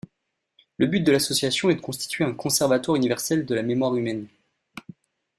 Le but de l'association est de constituer un conservatoire universel de la mémoire humaine.